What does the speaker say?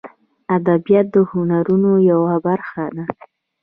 ادبیات د هنرونو یوه برخه ده